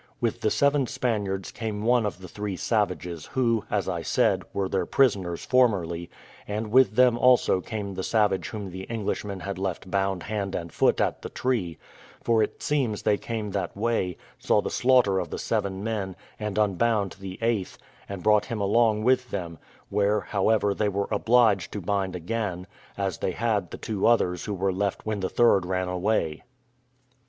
With the seven Spaniards came one of the three savages, who, as I said, were their prisoners formerly; and with them also came the savage whom the Englishmen had left bound hand and foot at the tree; for it seems they came that way, saw the slaughter of the seven men, and unbound the eighth, and brought him along with them; where, however, they were obliged to bind again, as they had the two others who were left when the third ran away.